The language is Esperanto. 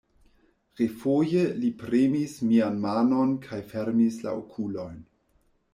Refoje li premis mian manon kaj fermis la okulojn.